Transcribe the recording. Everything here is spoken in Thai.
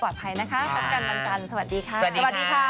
สวัสดี